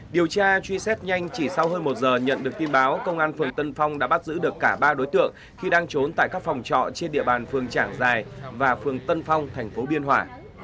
điều tra truy xét nhanh chỉ sau hơn một giờ nhận được tin báo công an phường tân phong đã bắt giữ được cả ba đối tượng khi đang trốn tại các phòng trọ trên địa bàn phường trảng giải và phường tân phong tp biên hòa